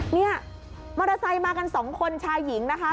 เนี่ยมอเตอร์ไซค์มากันสองคนชายหญิงนะคะ